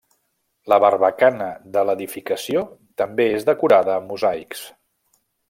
La barbacana de l'edificació també és decorada amb mosaics.